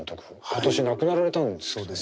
今年亡くなられたんですけどね。